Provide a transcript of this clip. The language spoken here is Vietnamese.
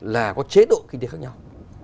là có chế độ kinh tế khác nhau